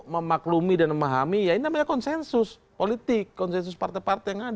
memang tadi banyak menyisakan sejumlah pertanyaan